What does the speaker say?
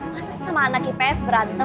masa sih sama anak ips berantem